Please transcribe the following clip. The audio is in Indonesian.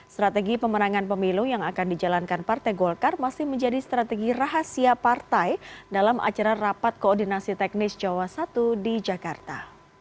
strategi pemenangan pemilu yang akan dijalankan partai golkar masih menjadi strategi rahasia partai dalam acara rapat koordinasi teknis jawa i di jakarta